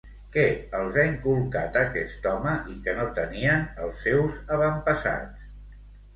Què els ha inculcat aquest home i que no tenien els seus avantpassats?